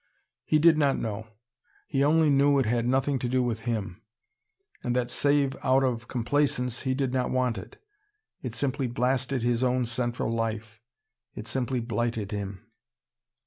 He did not know. He only knew it had nothing to do with him: and that, save out of complaisance, he did not want it. It simply blasted his own central life. It simply blighted him.